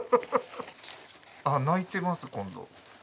あっ泣いてます今度。